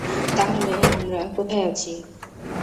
তাহলে, আমরা কোথায় আছি?